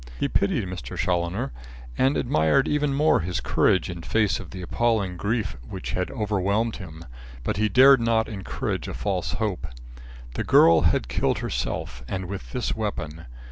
He pitied Mr. Challoner, and admired even more his courage in face of the appalling grief which had overwhelmed him, but he dared not encourage a false hope. The girl had killed herself and with this weapon.